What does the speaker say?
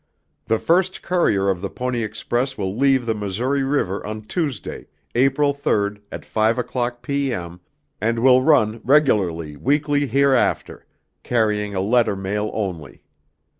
The first courier of the Pony Express will leave the Missouri River on Tuesday April 3rd at 5 o'clock P. M. and will run regularly weekly hereafter, carrying a letter mail only.